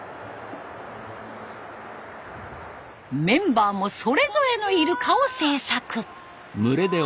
メンバーもそれぞれのイルカを制作。